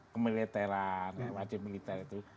kemiliteran wajib militer itu